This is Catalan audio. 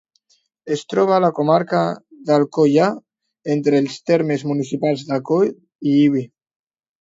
Es troba a la comarca de l'Alcoià, entre els termes municipals d'Alcoi i Ibi.